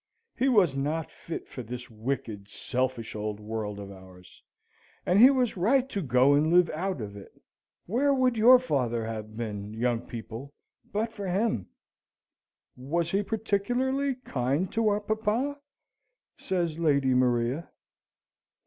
He was not fit for this wicked, selfish old world of ours, and he was right to go and live out of it. Where would your father have been, young people, but for him?" "Was he particularly kind to our papa?" says Lady Maria.